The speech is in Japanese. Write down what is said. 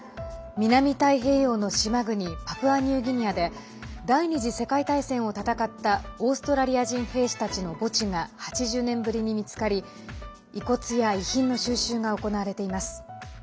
南太平洋の島国パプアニューギニアで第２次世界大戦を戦ったオーストラリア人兵士たちの墓地が８０年ぶりに見つかり遺骨や遺品の収集が行われています。